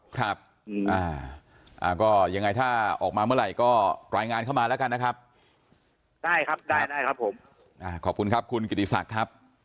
ครับก็ยังไงถ้าออกมาเมื่อไหร่ก็รายงานเข้ามาแล้วกันนะครับได้ครับได้ได้ครับผมขอบคุณครับคุณกิติศักดิ์ครับ